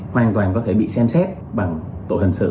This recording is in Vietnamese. hoàn toàn có thể bị xem xét bằng tội hình sự